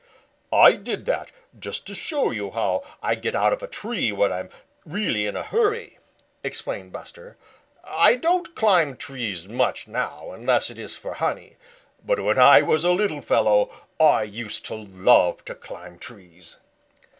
"I did that just to show you how I get out of a tree when I am really in a hurry," explained Buster. "I don't climb trees much now unless it is for honey, but when I was a little fellow I used to love to climb trees."